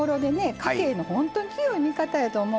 家計のほんとに強い味方やと思うんです。